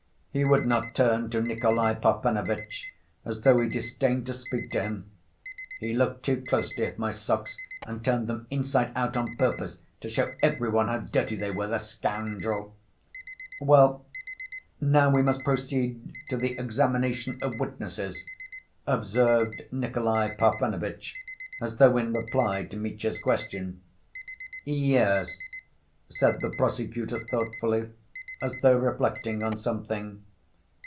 He would not turn to Nikolay Parfenovitch, as though he disdained to speak to him. "He looked too closely at my socks, and turned them inside out on purpose to show every one how dirty they were—the scoundrel!" "Well, now we must proceed to the examination of witnesses," observed Nikolay Parfenovitch, as though in reply to Mitya's question. "Yes," said the prosecutor thoughtfully, as though reflecting on something.